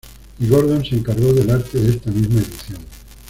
Y Gordon se encargó del arte de esta misma edición.